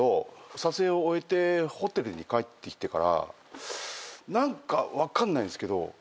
撮影を終えてホテルに帰ってきてから何か分かんないんですけど。